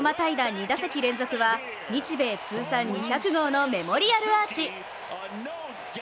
２打席連続は日米通算２００号のメモリアルアーチ。